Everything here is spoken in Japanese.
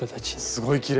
すごいきれい。